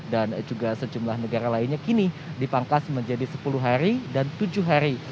dan juga sejumlah negara lainnya kini dipangkas menjadi sepuluh hari dan tujuh hari